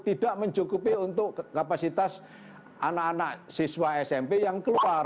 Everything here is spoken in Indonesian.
tidak mencukupi untuk kapasitas anak anak siswa smp yang keluar